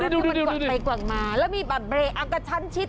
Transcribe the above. น่าจะมันกล่อนไปกว่างมาแล้วมีเบรกอากาศัตริย์ชิด